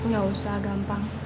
gak usah gampang